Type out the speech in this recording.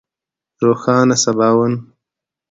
روښانه سباوون